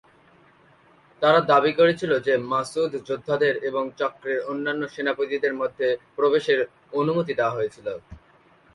তারা দাবি করেছিল যে মাসউদ যোদ্ধাদের এবং চক্রের অন্যান্য সেনাপতিদের মধ্যে প্রবেশের অনুমতি দেওয়া হয়েছিল।